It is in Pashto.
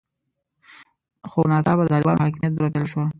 خو ناڅاپه د طالبانو حاکمیت دوره پیل شوه.